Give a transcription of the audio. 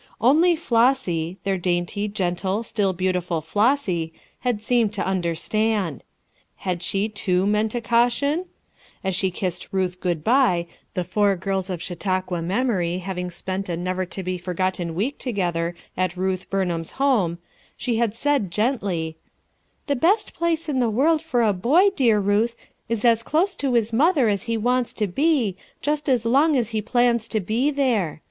Only Flossy, their dainty, gentle, still beautiful Flossy, had seemed to understand. Had she too meant a caution ? As she kidsed Ruth good by, the four girls of Chautauqua memory having spent a never to be forgotten week together at Ruth Bumham's home, she had said gently: —" The best place in the world for a boy, dear Ruth, is as close to his mother as he wants to be, just as long as he plans to be there.